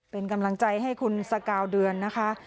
เป็นกำลังใจให้คุณสกาวเดือนนะคะ